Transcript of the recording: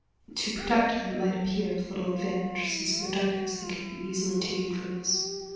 To protect them might appear of little advantage; since in the darkness they could be easily taken from us.